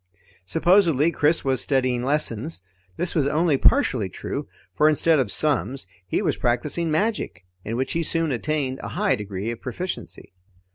Supposedly, Chris was studying lessons. This was only partially true, for instead of sums, he was practising magic, in which he soon attained a high degree of proficiency.